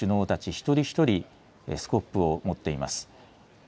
一人一人、スコップを持っています。